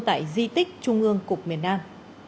tại di tích trung ương cục miền nam